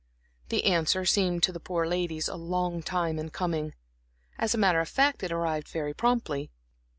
The answer seemed to the poor ladies a long time in coming; as a matter of fact, it arrived very promptly.